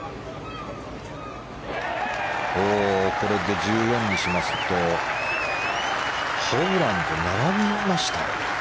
これで１４にしますとホブランと並びました。